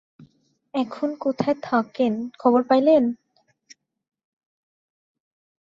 এখন কোথায় থাকেন, খবর পাইলেন?